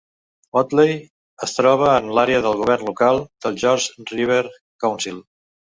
Oatley es troba en l'àrea del govern local de Georges River Council.